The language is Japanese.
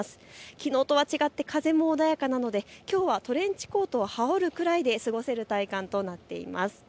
きのうとは違って風も穏やかなので、きょうはトレンチコートを羽織るくらいで過ごせるくらいの体感となっています。